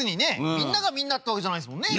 みんながみんなってわけじゃないですもんね。